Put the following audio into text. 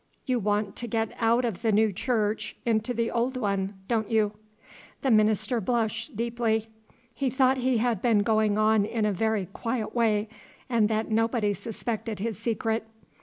"You want to get out of the new church into the old one, don't you?" The minister blushed deeply; he thought he had been going on in a very quiet way, and that nobody suspected his secret.